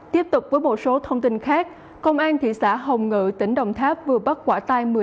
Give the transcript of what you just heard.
tiếp tục với một số thông tin khác công an thị xã hồng ngự tỉnh đồng tháp vừa bắt quả tang